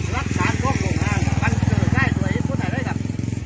ลักษณ์พวกโรงงานเง่อนมันคือใส่สวยอะไรครับ